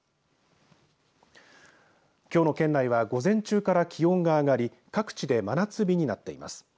きょうの県内は午前中から気温が上がり各地で真夏日になっています。